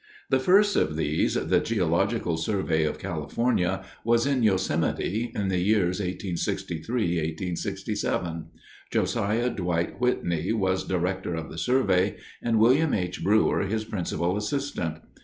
The first of these, the Geological Survey of California, was in Yosemite in the years 1863 1867. Josiah Dwight Whitney was director of the survey, and William H. Brewer, his principal assistant.